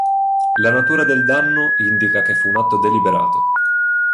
La natura del danno indica che fu un atto deliberato.